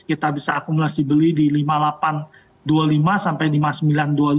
kita bisa akumulasi beli di lima delapan ratus dua puluh lima sampai lima sembilan ratus dua puluh lima